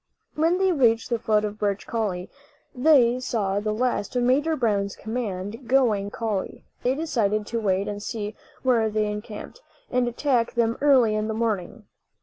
When they reached the foot of Birch Coulie they saw the last of Major Brown's command going up the coulie. They decided to wait and see where they encamped, and attack them early in the morning.